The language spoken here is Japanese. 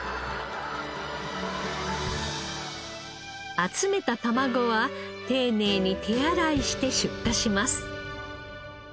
集めた卵は丁寧に手洗いして出荷します。